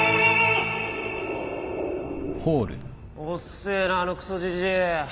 遅ぇなあのクソじじい！